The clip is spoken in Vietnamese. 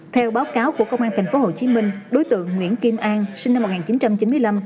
theo báo cáo của công an thành phố hồ chí minh đối tượng nguyễn kim an sinh năm một nghìn chín trăm chín mươi năm